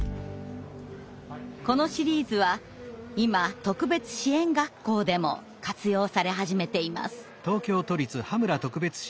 このシリーズは今特別支援学校でも活用され始めています。